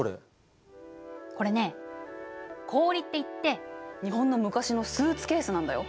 これねこおりっていって日本の昔のスーツケースなんだよ。